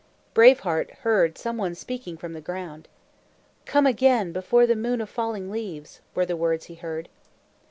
Brave Heart heard some one speaking from the ground. "Come again, before the Moon of Falling Leaves," were the words he heard.